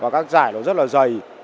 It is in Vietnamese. các giải rất là dày